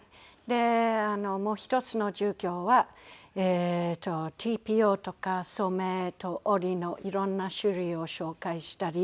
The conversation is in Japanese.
でもう一つの授業はＴＰＯとか染めと織りの色んな種類を紹介したり。